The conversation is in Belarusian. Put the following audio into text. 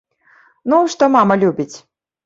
Ну, што мама любіць.